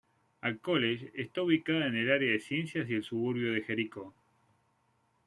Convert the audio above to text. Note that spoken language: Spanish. El college está ubicada en el Área de Ciencias y el suburbio de Jericó.